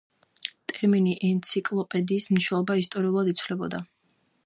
ტერმინი „ენციკლოპედიის“ მნიშვნელობა ისტორიულად იცვლებოდა.